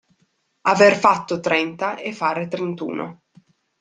Aver fatto trenta e fare trentuno.